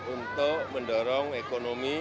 untuk mendorong ekonomi